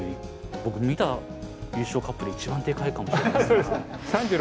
僕見た優勝カップで一番でかいかもしれない。